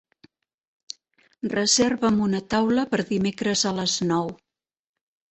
Reserva'm una taula per dimecres a les nou.